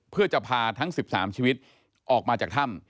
เพื่อจะพาทั้ง๑๓ชีวิตออกมาจากถ้ำ